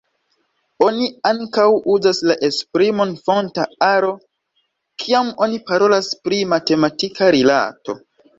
Oni ankaŭ uzas la esprimon «fonta aro» kiam oni parolas pri matematika rilato.